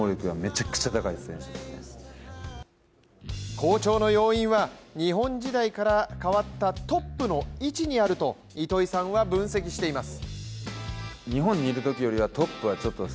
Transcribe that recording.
好調の要因は日本時代から変わったトップの位置にあると糸井さんは分析しています。